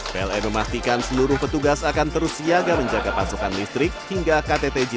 pln memastikan seluruh petugas akan terus siaga menjaga pasokan listrik hingga ktt g dua puluh